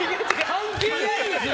関係ねえですよ！